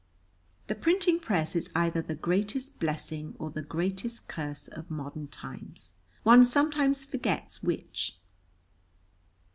The printing press is either the greatest blessing or the greatest curse of modern times, one sometimes forgets which.